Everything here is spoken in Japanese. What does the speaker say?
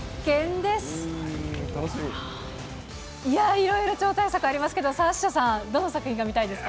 いろいろ超大作ありますけど、サッシャさん、どの作品が見たいですか？